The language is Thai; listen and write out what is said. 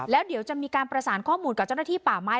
แล้วเดี๋ยวจะมีการประสานข้อมูลกับเจ้าหน้าที่ป่าไม้